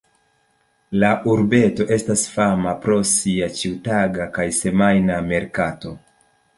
La urbeto estas fama pro sia ĉiutaga kaj semajna merkato.